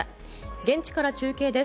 現地から中継です。